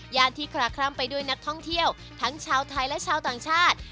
ที่คลาคล่ำไปด้วยนักท่องเที่ยวทั้งชาวไทยและชาวต่างชาติ